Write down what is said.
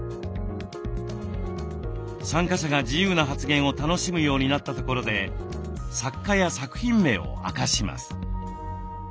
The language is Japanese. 参加者が自由な発言を楽しむようになったところで作家や作品名を明かします。